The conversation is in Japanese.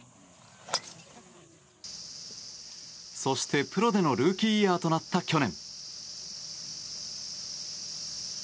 そして、プロでのルーキーイヤーとなった去年。